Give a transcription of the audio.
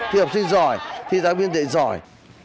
thì học sinh giỏi thì giáo viên dạy giỏi